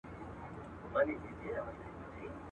د شپې له غېږې نه برېښنا راځي